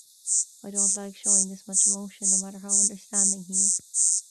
I don't like showing this much emotion, no matter how understanding he is.